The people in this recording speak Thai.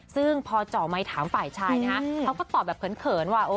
ซึ่งพอเจาะไมค์ถามฝ่ายชายนะฮะเขาก็ตอบแบบเขินว่า